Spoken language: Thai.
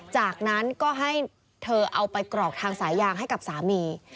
จากนั้นก็ให้เธอเอาไปกรอกทางสายยางให้กับสามี